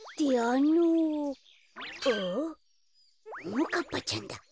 ももかっぱちゃんだ。